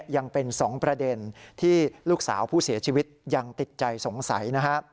ยังเป็น๒ประเด็นที่ลูกสาวผู้เสียชีวิตยังติดใจสงสัย